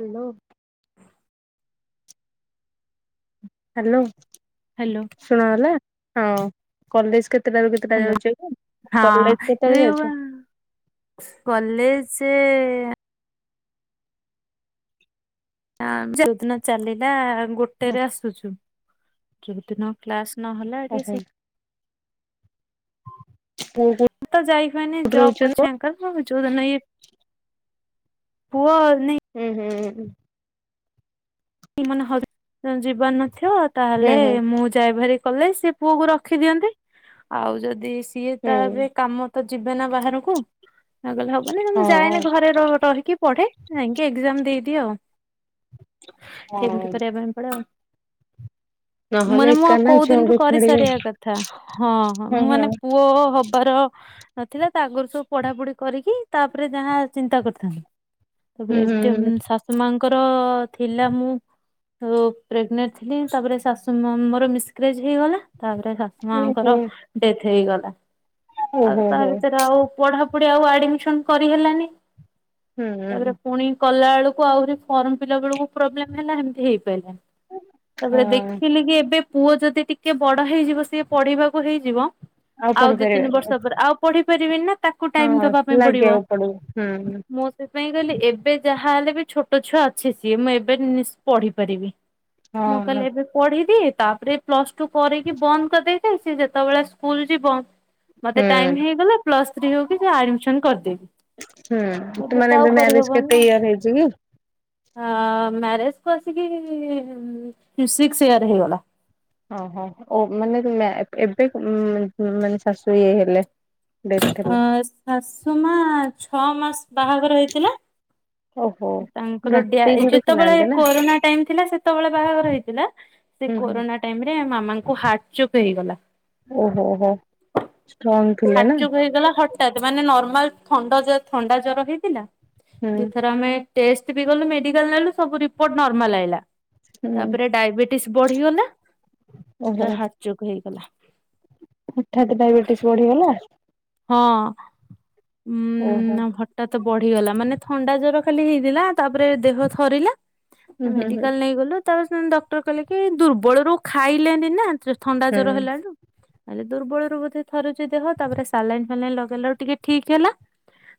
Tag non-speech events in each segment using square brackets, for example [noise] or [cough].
Hello. Hello. Hello. ଶୁଣ ହେଲା ହଁ କଲେଜ କେତେଟାରୁ କେତେଟା ହ୍ୟାଲୋ ଯାଉଛି କି କଲେଜ ହଁ କେତେଳେ ଏଇ ଯାଉଛ। କଲେଜ ସେ ଏ ଯୋଉ ଦିନ ଚାଲିଲା ଗୋଟେରେ ଆସୁଛୁ ଯୋଉ ଦିନ କ୍ଲାସ ନହେଲା ଟିକେ ଓହୋ ସି ପୁଅ ତ ଯାଇପନି କୋଉଠି ରହୁଛନ୍ତି ଜପ୍ ପୁଅ? ଅଛେ [unintelligible] ହୁଁ ହୁଁଉଁ। ମାନେ ହ ଯିବାର ନଥିବ ତାହେଲେ ହୁଁ ମୁଁ ଯାଇ ଭାରି କଲେଜ ସିଏ ପୁଅ କୁ ରଖିଦିଅନ୍ତି ଆଉ ଯଦି ସିଏ ହୁଁ ତାରେ କାମ ତ ଯିବେ ନା ବାହାରକୁ ନ ଗଲେ ହବନି ତ ମଁ ହଁ ଯାଏନି ଘରେ ରହିକି ପଢେ। ଯାଇଁକି ଏକ୍ଜାମ ଦେଇଦିଏ ଆଉ। ହଁ କେମିତି କରିବା ପାଇଁ ପଡ଼େ ଆଉ। ନହେଲେ ମାନେ ମୁଁ ଏକା ଆଉ ନା କୋଉ ଦିନଠୁ ଛୁଆଙ୍କୁ କରି ଛାଡିବେ ସାରିବା କଥା। ହଁ ହଁ ମୁଁ ମାନେ ପୁଅ ହବାର ନଥିଲା ତା ଆଗରୁ ସବୁ ପଢାପଢି କରିକି ତାପରେ ଯାହା ଚିନ୍ତା କରିଥାନ୍ତି। ହୁଁ ତାପରେ ଏମିତି ହୁଁ ଶାଶୁ ମାଙ୍କର ଥିଲା ମୁଁ ଆଉ ପ୍ରେଗନେଣ୍ଟ ଥିଲି ତାପରେ ଶାଶୁମମ୍ ମୋର ମିସ୍କାରେଜ ହେଇଗଲା ତାପରେ ଶାଶ ମାଙ୍କର ହୁଁ ଡେଥ ହେଇଗଲା ଓହୋ ଆଉ ତା ହୋ ଭିତରେ ଆଉ ପଢା ପୂ ପୁଢି ଆଉ ଆଡମିସନ କରିହେଲାନି ହୁଁ ତାପରେ ହଁ। ପୁଣି କଲା ବଳକୁ ଆହୁରି ଫର୍ମଫିଲଅପ ବେକକୁ ପ୍ରୋବେଲମ୍ ହେଲା ହେମିତି ହେଇପାରିଲାନି। ତାପରେ ଦେଖିଲି କି ଏବେ ପୁଅ ଯଦି ଟିକେ ବଡ ହେଇଯିବ ସିଏ ପଢ଼ିବାକୁ ହେଇଯିବ ଆଉ ପଢି ଦି ତିନି ପାରିବେନି ବର୍ଷ ପରେ ଆଉ ପଢି ପାରିବି ନା ତାକୁ ଟାଇମ ହଁ ଦବା ପାଇଁ ପଡିବ ଲାଗିବାକୁ ହୁଁ। ମୁଁ ସ ସେଥିପାଇ କହିଲି ଏବେ ଯାହାହଲେ ବି ଛୋଟ ଛୁଆ ଅଛି ସିଏ ମୁଁ ଏବେ ନିସ ପଢି ପାରିବି। ହଁ ମୁଁ ହଁ କହିଲି ଏବେ ପଢିଦିଏ ତାପରେ ପ୍ଲସ ଟୁ କରିକି ବନ୍ଦ କରିଦେଇଥାଏ ସିଏ ଯେତେବେଳେ ସ୍କୁଲ ଯିବ ମତେ ଟାଇମ ହୁଁ ହେଇଗଲା ପ୍ଲସ୍ ଥ୍ରୀ ହଉ କିି ଆଡମିସନ କରିଦେବି। ହୁଁ ତୁ ମାନେ ତ ଆଉ ଏବେ ମ୍ୟାରେଜ କରିହବନି କେତେ ନା। ଇୟର ହେଇଛି କି? ମ୍ୟାରେଜ କୁ ଆସିକି ସିକ୍ସ ଇୟର ହେଇଗଲା। ଓହୋ ମାନେ ଏବେ ମାନେ ଶାଶୁ ଇଏ ହେଲେ। ଡେଥ୍ ଅ ହେଲେ। ଶାଶୁ ମା ଛଅ ମାସ ବାହାଘର ହେଇଥିଲା ଓହୋ ନା ତାଙ୍କର ଡ୍ୟା ସ୍ତ୍ରୀକୁ ଯେତେବେଳେ ଦେଖିନାହାନ୍ତି ନା କୋରୋନା ଟାଇମ ଥିଲା ସେତେବେଳେ ବାହାଘର ହେଇଥିଲା। ସେ ହୁଁ ହୁଁ କୋରୋନା ଟାଇମରେ ମାମାଙ୍କୁ ହାର୍ଟଚୋକ୍ ହେଇଗଲା। ଓହୋ ଷ୍ଟ୍ରନ ହାର୍ଟ ଚୋକ୍ ହେଇଗଲା ହଠାତ୍ ମାନେ ନର୍ମାଲ ଥଣ୍ଡ ଜ ଥଣ୍ଡା ଜର ହେଇଥିଲା। ହୁଁ ଦିଥର ଆମେ ଟେଷ୍ଟ ବି କଲୁ ମେଡିକାଲ ନେଲୁ ସବୁ ରିପୋଟ ନର୍ମାଲ ଆଇଲା। ହୁଁ ତାପରେ ଡାଇବେଟିସ ବଢିଗଲା ଓହୋ ହାର୍ଟଚୋକ୍ ହେଇଗଲା। ହଠାତ୍ ଡାଇବେଟିସ୍ ବଢିଗଲା। ହଁ ଓହୋ। ଉଁ ହଟ ଟା ତ ବଢିଗଲା ମାନେ ଥଣ୍ଡା ଜର ଖାଲି ହେଇଥିଲା ତାପରେ ଦେହ ଥରିଲା। ହୁଁ ହୁଁ ହୁଁ ମେଡିକାଲ ନେଇଗଲୁ ତାପରେ ସେ ଡକ୍ଟର କହିଲେ କି ଦୁର୍ବଳରୁ ଖାଇଲେନି ନା। ଥଣ୍ଡା ଜର ହେଲାଣି ହେଲେ ଦୁର୍ବଳରୁ ବୋଧେ ଥରୁଛି ଦେହ ତାପରେ ସାଲାଇନ୍‌ ଫାଲାଇନ୍‌ ଲଗାଇଲା ଟିକେ ଠିକ ହେଲା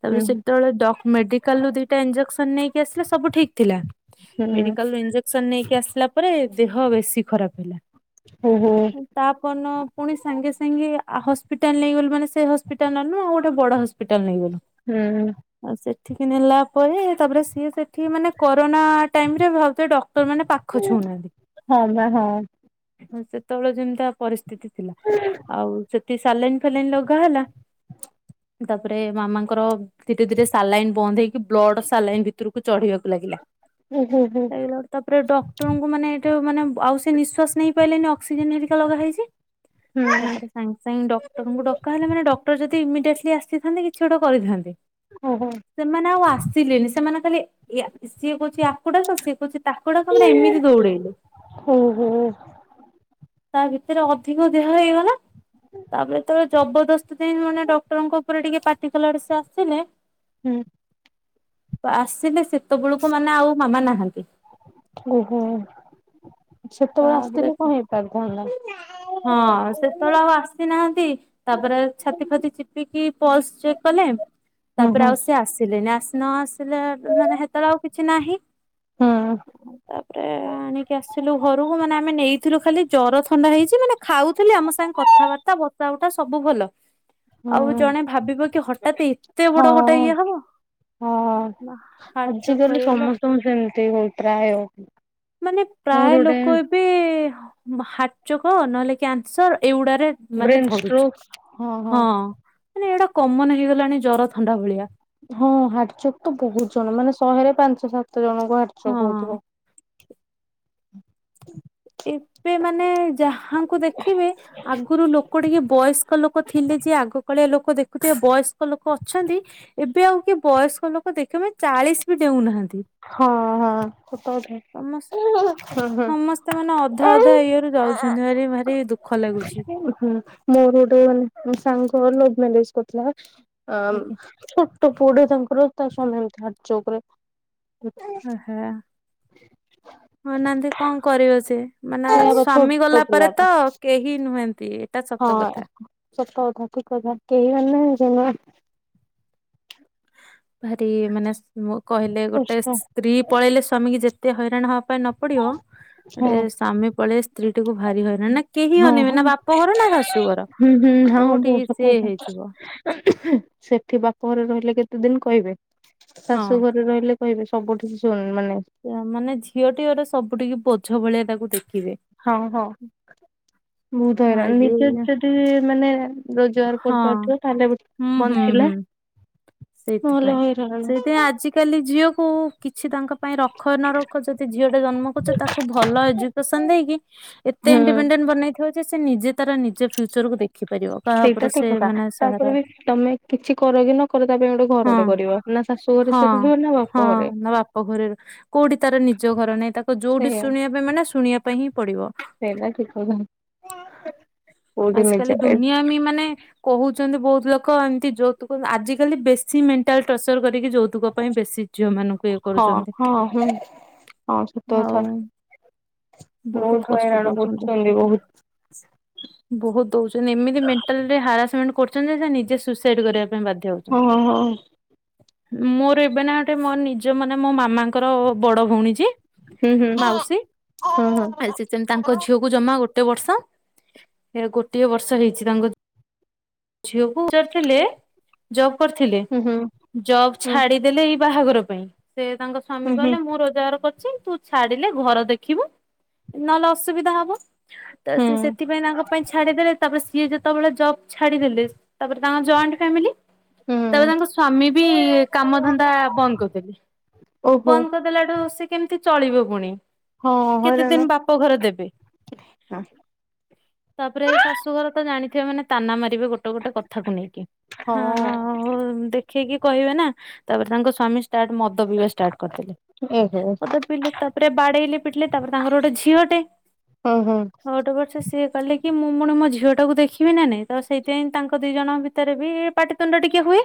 ତା ହୁଁ ପରେ ହୁଁ ସେତେବେଳେ ଡକ୍ଟର ମେଡିକାଲରୁ ଦିଟା ଇଞ୍ଜେକସନ ନେଇକି ଆସିଲେ ସବୁ ଠିକ ଥିଲା ହୁଁ ମଡିକାଲରୁ ଇଞ୍ଜେକସନ ଇଞ୍ଜେକସନ ନେଇକି ଆସିଲା ପରେ ଦେହ ବେଶୀ ଖରାପ ହେଲା। ଓ ହୋ। ତା ପରଦିନ ପୁଣି ସାଙ୍ଗେ ସାଙ୍ଗେ ହସ୍ପିଟାଲ ନେଇଗଲେ ମାନେ ସେ ସେ ହସ୍ପିଟାଲ ନେଲୁନୁ ଆଉ ଗୋଟେ ବଡ ହସ୍ପିଟାଲ ନେଇଗଲୁ। ହୁଁ। ଆଉ ସେଠିକି ନେଲା ପରେ ତାପରେ ସିଏ ସେଠି ମାନେ କରୋନା ଟାଇମରେ ମତେ ଡକ ର ମାନେ ପାଖ ଛୁଉଁନାହାନ୍ତି। ହଁ ବା ହଁ ହଁ ସେତେବେଳେ ଯେମିତିଆ ପରିସ୍ଥିତି ଥିଲା ଆଉ ସେଠି ସାଲାଇନ୍ ଫାଲାଇନ୍ ଲଗେ କଣ ହେଲା ତାପରେ ମାମାଙ୍କର ଧୀରେ ଧୀରେ ସାଲାଇନ୍ ବନ୍ଦ ହେଇକି ବ୍ଲଡ ସାଲାଇନ୍ ଭିତରକୁ ଚଢିବାକୁ ଲାଗିଲା। ହୁଁ ହୁଁ। ସେ ତାପରେ ଡକ୍ଟରଙ୍କୁ ମାନେ ଏ ମାନେ ଆଉ ସେ ନିଶ୍ୱାସ ନେଇପାରଲେନି ଅକ୍ସିଜେନ ହେରିକା ଲଗା ହେଇଛି। ହୁଁ। ତାପରେ ସାଙ୍ଗେ ସାଙ୍ଗେ ଡକ୍ଟରଙ୍କୁ ଡକା ହେଲେ ମାନେ ଡକ୍ଟର ଯଦି ଇମିଡିଏଟଲି ଆସିଥାନ୍ତେ କିଛି ଗୋଟେ କରିଥାନ୍ତେ? ଓହୋ। ସେମାନେ ଆଉ ଆସିଲେନି ସେମାନେ ଖାଲି ସିଏ କହୁଛି ୟାକୁଡାକ ସିଏ କହୁଛି ତାକୁ ଡାକ ମାନେ ଏମିତି ଦୌଡେଇଲେ। ଓହୋ ତା ଭିତରେ ଅଧିକ ଦେହ ହେଇଗଲା ତାପରେ ତାବେଳେ ଜବରଦସ୍ତି ଜାଇ ମାନେ ଡକ୍ଟରଙ୍କ ଉପରେ ଟିକେ ପାଟି କଲାଠୁ ସେ ଆସିଲେ ହୁଁ। ଆସିଲେ ସେତେବେଳକୁ ମାନେ ଆଉ ମାମା ନାହାନ୍ତି। ଓହୋ ସେତେବେଳେ ତାପରେ ଆସିଥିଲେ କଣ ହେଇ ପାରିଥାନ୍ତା? ହଁ ସେତେବେଳେ ଆଉ ଆସିନାହାନ୍ତି। ତାପରେ ଛାତି ଫାତି ଚିପିକି ପଲସ ଚେକ୍ କଲେ। ହୁଁ ତାପରେ ହୁଁ ଆଉ ସେ ଆସିଲେନି ଆସି ନ ଆସିଲେ ମାନେ ସେତେବେଳେ ଆଉ କିଛି ନାହିଁ। ହୁଁ ତାପରେ ଆଣିକି ଆସିଲୁ ଘରକୁ ମାନେ ଆମେ ନେଇଥିଲୁ ଖାଲି ଜର ଥ ଥଣ୍ଡା ହେଇଛି ମାନେ ଖାଉଥିଲେ ଆମ ସାଙ୍ଗେ କଥାବାର୍ତ୍ତା ବସା ଉଠା ସବୁ ଭଲ। ଆଉ ଜଣେ ଭାବିବ କି ହଠାତ୍ ଏତେ ହୁଁ ବଡ ହଁ। ଗୋଟେ ଇଏ ହବ। ହଁ ହାର୍ଟଚୋକ୍ ଆଜିକାଲି କରିଗଲା ସମସ୍ତଙ୍କ ସେମିତି ଦେହ ପ୍ରାୟ ମାନେ ମୋର ପ୍ରାୟ ଗୋଟେ ଲୋକ ଏବେ ହାର୍ଟଚୋକ ନହେଲେ କ୍ୟାନ୍ସର ଏଗୁଡାରେ ମାନେ ଧରୁଛି ହଁ ମାନେ ଏଇଟା କମନ ହେଇଗଲାଣି ଜର ଥଣ୍ଡା ଭଳିଆ ହଁ ହାଟଚୋକ୍ ତ ବହୁତ ଜଣ ମାନେ ଶହେରେ ପାଞ୍ଚ ଦଶ ଜଣଙ୍କୁ ହାଟଚୋକ୍ ହଁ। ହଉଥିବ। ଏବେ ମାନେ ଯାହାଙ୍କୁ ଦେଖିବେ ଆଗରୁ ଲୋକ ଟିକେ ବୟସ୍କ ଲୋକ ଥିଲେ ଯେ ଆଗ କଳିଆ ଲୋକ ଦେଖୁଥିବେ ବୟସ୍କ ଲୋକ ଅଛନ୍ତି ଏବେ ଆଉ କିଏ ବୟସ୍କ ଲୋକ ଦେଖିବେ ଚାଳିଶ ବି ଡେଉଁ ନାହାଁନ୍ତି। ହଁ ହଁ ସତକଥା। ସମସ୍ତ ସମସ୍ତେ ମାନେ ଅଧା ଅଧା ଇଏରୁୁ ଯାଉଛନ୍ତି ଭାରି ଭାରି ଦୁଃ ହୁଁ ମୋର ସାଙ୍ଗ ଲଭ ମ୍ୟାରେଜ କରିଥିଲା। ଆ ଆଜ୍ଞା ଛୋଟ ପୁଅଟେ ତାଙ୍କର ତା ସ୍ୱାମୀ ହେମତି ହାଟଚୋକରେ ଆହା। କଉନାହାଁନ୍ତି କଣ କରିବ ସେ ମାନେ ସେୟାପା ସ୍ଵାମୀ ଛୋଟ ଗଲା ପରେ ପିଲାଟା ତ କେହି କେହି ନୁହଁନ୍ତି। ହଁ ସତ କଥା ଠିକ କଥା କେହି ମାନେ ଭାରି ମାନେ କହିଲେ ଗୋଟେ କଷ୍ଟ ସ୍ତ୍ରୀ ପଳେଇଲେ ସ୍ଵାମୀ କି ଯେତେ ହଇରାଣ ହବା ପାଇଁ ନ ପଡିବ ହଁ ଗୋଟେ ସ୍ୱାମୀ ପଳେଇଲେ ସ୍ତ୍ରୀଟିକୁ ଭାରି ହଇରାଣ କେହି ହଁ ଅନେଇବେନି ହଁ। ନା ବାପଘର ନା ଶାଶୁଘର ହୁଁ ହୁଁ ହଁ ବୋଉ ସବୁଠିକି ସତ ସିଏ କଥା ହେଇଯିବ ସେଠି ବାପ ଘରେ ରହିଲେ କେତେ ଦିନ କହିବେ ହଁ ଶାଶୁ ଘରେ ରହିଲେ କହିବେ ସବୁଠି ସୁଣି ମାନେ ମାନେ ଝିଅଟିଏ ଗୋଟେ ସବୁ ଠିକି ବୋଝ ଭଳିଆ ତାକୁ ଦେଖିବେ। ହଁ ହଁ ବହୁତ ହଁ ହଇରାଣ ଯେ ନିଜେ ଯଦି ମାନେ ରୋଜଗାର ହଁ କରିପାରୁଥିବ ତାହେଲେ ହୁଁ ହୁଁ ବଞ୍ଚିଲା। ହୁଁ। ନହେଲେ ସେଇଥିପାଇଁ ହଇରାଣ ସେଇଥିପାଇଁ ଆଜି ଆଜିକାଲି ଝିଅକୁ କିଛି ତାଙ୍କ ପାଇଁ ରଖ ନ ରଖ ଯଦି ଝିଅଟେ ଜନ୍ମ ତାକୁ ଭଲ ଏଜୁକେସନ ଦେଇକି ଏତେ ହୁଁ ଇଣ୍ଡିପେଣ୍ଡେଣ୍ ବନେଇ ଯେ ସେ ନିଜେ ତାର ନିଜ ଫ୍ୟୁଚରକୁ ଦେଖିପାରିବ। କାହା ସେଇଟା ଉପରେ ସେ ଠିକ କଥା ମାନେ ସାହାରା ତାପରେ ବି ତମେ କିଛି କର କି ନ କର ତା ପାଇଁ ଗୋଟେ ହଁ ଘରଟେ କରିବ। ନା ଶାଶୁଘ ହଁ ହଁ ନା ବାପଘରେ କୋଉଠି ତାର ନିଜ ଘର ନାଇଁ ତାକୁ ତ ଯୋଉଠି ସେଇଆ ଶୁଣିବା ପାଇଁ ମାନେ ଶୁଣିବା ପାଇଁ ହିଁ ପଡିବ। ସେଇଟା ଠିକ କଥା। କୋଉଠି ଆଜିକାଲି ନିଜ ଦୁନିଆବି ମାନେ କହୁଛନ୍ତି ବହୁତ ଲୋକ ଏମିତି ଯୌତୁକ ଆଜିିକାଲି ବେଶୀ ମେଣ୍ଟାଲ ଟର୍ଚର କରିକି ଯୌତୁ ଯୌତୁକ ପାଇଁ ବେଶୀ ଝିଅ ମାନଙ୍କୁ ଇଏ ହଁ କରୁଛନ୍ତି ହଁ ହୁଁ ହଁ ସତ ଆଉ। କଥା ବହୁତ କଷ୍ଟ ହଇରାଣ ଦଉଛନ୍ତି। କରୁଛନ୍ତି ବହୁତ ବହୁତ ଦଉଛନ୍ତି ଏମିତି ମେଣ୍ଟାଲରେ ହାରାସମେଣ୍ଟ କରୁଛନ୍ତି ନିଜେ ସୁଇସାଇଡ କରିବାକୁ ବାଧ୍ୟ ହଉଛନ୍ତି। ହଁ ହଁ ମୋର ଏବେ ନା ଗୋଟେ ମୋର ନିଜ ମାନେ ମୋ ମାମାଙ୍କର ବଡ ଭଉଣୀ ଯିଏ ହୁଁ ହୁଁ ମାଉସୀ ଓହୋ ଆ ସେମିତି ତାଙ୍କ ଝିଅକୁ ଜମା ଗୋଟେ ବର୍ଷ। ଏ ଗୋଟିଏ ବର୍ଷ ହେଇଛି ତାଙ୍କ ଝିଅକୁ ପଚାରୁ ଥିଲେ। ଜବ କରିଥିଲେ ଜବ ଛାଡିଦେଲେ ଏଇ ବାହାଘର ପାଇଁ ସେ ତାଙ୍କ ସ୍ୱାମୀ କହିଲେ ମୁଁ ରୋଜଗାର କରୁଛି ତୁ ଛାଡିଲେ ଘର ଦେଖିବୁ ନହେଲେ ଅସୁବିଧା ହବ। ତ ସିଏ ସେଥିପାଇଁ ତାଙ୍କ ପାଇଁ ତାପରେ ସିଏ ଯେତେବେଳେ ଜବ ଛାଡିଦେଲେ ତାପରେ ତାଙ୍କ ଜଏଣ୍ଟ ଫାମିଲି ତାପରେ ତାଙ୍କ ସ୍ଵାମୀ ବି କାମ ଧନ୍ଦା ବନ୍ଦ କରିଦେଲେ ବନ୍ଦ କରି ଦେଲାଠୁ ସେ କେମିତି ଚଳିବ ପୁଣି କେତେ ହଇରାଣ ଦିନ ବାପ ଘର ଦେବେ। ହଁ [inaudible] ତାପରେ ଶାଶୁଘର ତ ଜାଣିଥିବେ ମାନେ ତାନା ମାରିବେ ଗୋ ଗୋଟ ଗୋଟେ କଥାକୁ ନେଇକି ହ ହଁ ହଉ ଦେଖ ଦେଖେଇକି କହିବେ ନା ତାପରେ ତାଙ୍କ ସ୍ୱାମୀ ଷ୍ଟାର୍ଟ ମଦ ପିଇବା ଷ୍ଟାର୍ଟ କରିଦେଲେ। ମଦ ପିଇଲେ ତାପରେ ବାଡେଇଲେ ପିଟିଲେ ତାପରେ ତାଙ୍କର ଗୋଟେ ଝିଅଟେ। ଓହୋ ହଁ ହଁ ହଉଟେ ପଛେ ସିଏ କଲେ କି କି ମୁଁ ମୁୁଣି ମୋ ଝିଅଟାକୁ ଦେଖିବି ନା ନାଇଁ ତ ସେଇଥିପାଇଁ ତାଙ୍କ ଦିଜଣଙ୍କ ଭିତରେ ବି ପାଟିତୁଣ୍ଡ ଟିକେ ହୁଏ।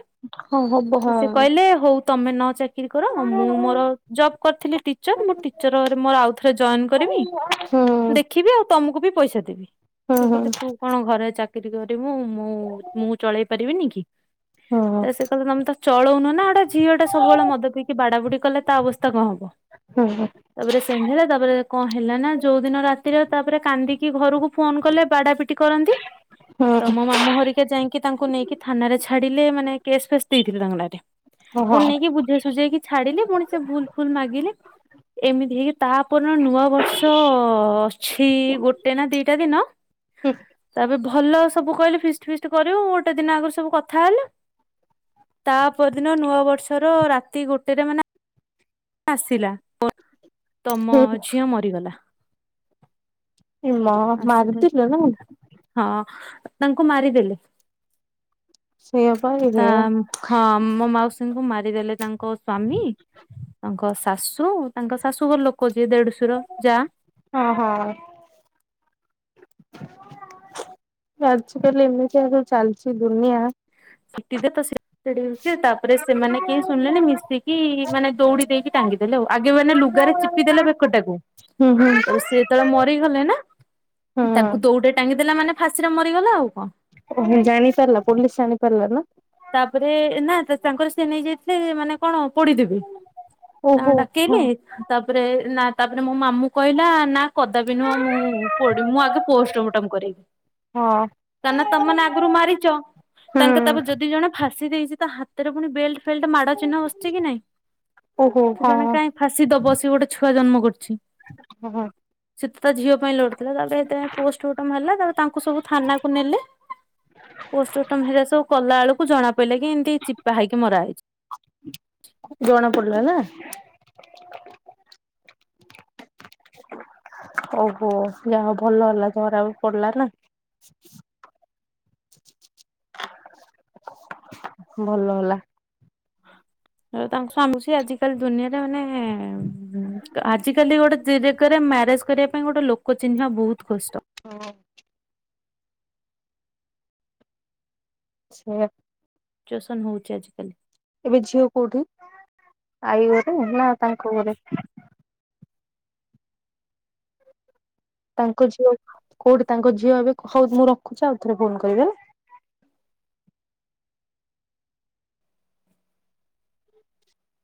ହଁ ହବ ସିଏ ହଁ। କହିଲେ ହୋଉ ତମେ ନ ଚା ଚାକିରି କର ମୁଁ ମୋର ଜବ୍ କରିଥିଲି ଟିଚର ମୁଁ ଟିଚରରେ ମୋର ଆଉଥରେ ଜଏନ୍ କରିମି ହୁଁ। ଦେଖିବି ଆଉ ତମକୁ ବି ପଇସା ଦେବି ସିଏ ହୁଁ ହୁଁ ହୁଁ କହିଲେ ତୁ କଣ ଘରେ ଚାକିରି କରିମୁ ମୁଁ ମୁଁ ଚଳେଇ ପାରିବିନି କି। ହଁ। ତାପରେ ସେ କହିଲ ତମେ ତ ଚଳୋଉନ ନା ଗୋଟେ ଝିଅଟା ସବୁବେଳେ ମଦ ପିଇକି ବାଡାବୁଡ଼ି କଲେ ତା ଅବସ୍ଥା କଣ ହବ। ହୁଁ ହୁଁ। ତାପରେ ସେମତି ହେଲା ତାପରେ କଣ ହେଲା ନା ଯୋଉ ଦିନ ରାତିରେ ତାପରେ କାନ୍ଦିକି ଘରକୁ ଫୋନ କଲେ ବାଡା ପିଟି କରନ୍ତି ତ ମୋ ମାମୁଁ ହରି କା ଯାଇଁକି ତାଙ୍କୁ ନେଇକି ଥାନାରେ ଛାଡିଲେ ମାନେ କେସ୍ ଫେସ୍ ଦେଇଥିଲେ ତାଙ୍କ ନାଁରେ। ହୁଁ ହଁ। ପୁଣି ନେଇକି ବୁଝେଇ ସୁୁଝେଇକି ଛାଡିଲେ ପୁଣି ସେ ଭୁଲ ଫୁଲ ମାଗିଲେ। ଏମିତି ହେଇକି ତାପରିନ ନୂଆ ବର୍ଷ ଅଛି ଗୋଟେ ନା ଦିଇଟା ଦିନ ତାପରେ ଭଲ ସବୁ କହିଲେ ଫିଷ୍ଟ ଫିଷ୍ଟ କରିବ ଗୋଟେ ଦିନ ଆଗରୁ ସବୁ କଥା ହେଲୁ ତା ପରଦିନ ନୂଆ ବର୍ଷର ରାତି ଗୋଟେରେ ମାନେ ଆସିଲା [inaudible] ତମ ଝିଅ ମରିଗଲା। ଏ ମାଆ ଆସିଲେ ମାରିଦେଲେ ନା କଁ? ହଁ ତାଙ୍କୁ ମାରିଦେଲେ ସେଇଆ ପା ତା ଇଏ ହଁ ମୋ ମାଉସୀଙ୍କୁ ମାରିଦେଲେ ତାଙ୍କ ସ୍ଵାମୀ ତାଙ୍କ ଶାଶୁ ତାଙ୍କ ଶାଶୁଘର ଲୋକ ଯିଏ ଦେଢସୁର ଯାଆ। ଅଁହଁ। ନା ଆଜ କାଲି ଏମିତିଆ ଯୋଉ ଚାଲିଚି ଦୁନିଆ ସିଟି ଦେ ତ ସେ ସେଠି ହୋଉଚି ତାପରେ ସେମାନେ କେହି ଶୁଣିଲେନି ମିଶିକି ମାନେ ଦୌଡି ଦେଇକି ଟାଙ୍ଗିଦେଲେ ଆଉ ଆଗେ ମାନେ ଲୁଗାରେ ଚିପି ପି ଦେଲେ ବେକଟାକୁ ହୁଁ ହୁଁ। ତାପରେ ସିଏ ଯେତେବେଳେ ମରିଗଲେ ନା ତାଙ୍କୁ ଦୋଉଡିରେ ଟାଙ୍ଗିଦେଲା ମାନେ ଫାଶୀରେ ମରିଗଲା ଆଉ କଣ। ଓହୋ ଜାଣିପାରିଲା ପୋଲିସ ଜାଣିପାରିଲା ନା? ତାପରେ ଏ ନା ତା ତାଙ୍କର ସିଏ ନେଇଯାଇଥିଲେ ମାନେ କଣ ପୋଡିଦେବି ନା ଓହୋ ହଁ ଡାକେଇଲେ ତାପରେ ନା ତାପରେ ମୋ ମାମୁ କହିଲା ନା କଦାପି ନୁହଁ ମୁଁ ପୋଡ଼ି ମୁଁ ଆଗେ ପୋଷ୍ଟମଟମ କରେଇବି। ହଁ। କାଇଁନା ତମେମାନେ ଆଗରୁ ମାରିଚ ତାଙ୍କେ ହୁଁ ତାପରେ ଯଦି ଜଣେ ଫାଶୀ ଦେଇଚି ତା ହାତରେ ପୁଣି ବେଲ୍ଟ ଫେଲଟ୍ ମାଡ ଚିହ୍ନ ବସଚି କି ନାଇଁ ଓହୋ ତ ହଁ ଜଣେ କାଇଁ ଫାଶୀ ଦବ ସିଏ ଗୋଟେ ଛୁଆ ଜନ୍ମ କରଚି। ଓହୋ। ସେତ ତା ଝିଅ ପାଇଁ ଲଢୁଥୁଲା ତାପରେ ତା ପୋଷ୍ଟମଟମ ହେଲା ତାପରେ ତାଙ୍କୁ ସବୁ ଥାନାକୁ ନେଲେ [inaudible] ପୋଷ୍ଟମଟମ ହେରା ସବୁ କଲା ବେଳକୁ ଜଣା ପଇଲା କି ଏମତି ଚିପା ହେଇକି ମରା ହେଇଚି। ଜଣା ପଡିଲା ନା? ଓହୋ ଯାହୋଉ ଭଲ ହେଲା ଧରା ବି ପଡଲା ନା। ଭଲ ହେଲା। [inaudible] ଆଉ ତାଙ୍କ ସ୍ୱାମୀ ସିଏ ଆଜିକାଲି ଦୁନିଆରେ ମାନେ ଉଁ ହୁଁ କା ଆଜିକାଲି ଗୋଟେ ଜିରେଗାରେ ମ୍ୟାରେଜ କରିବା ପାଇଁ ଗୋଟେ ଲୋକ ଚିହ୍ନିବା ବୋହୁତ କଷ୍ଟ। ହଁ। ସେୟା। ସିଚୁଏସନ ହୋଉଚି ଆଜିକାଲି। ଏବେ ଝିଅ କୋଉଠି ଆଈ ଘରେ ନା ତାଙ୍କ ଘରେ? ତାଙ୍କ ଝିଅ କୋଉଠି ତାଙ୍କ ଝିଅ ଏବେ, ହଉ ମୁଁ ରଖୁଛି ଆଉ ଥରେ ଫୋନ୍ କରିବି ହେଲା।